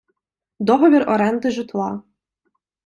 Договір оренди житла.